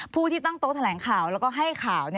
ผู้ที่ตั้งโต๊ะแถลงข่าวแล้วก็ให้ข่าว